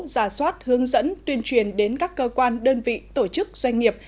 giả soát hướng dẫn tuyên truyền đến các cơ quan đơn vị tổ chức doanh nghiệp